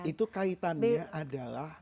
itu kaitannya adalah